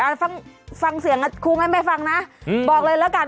ฟังฟังเสียงครูไหมไม่ฟังนะอืมบอกเลยแล้วกัน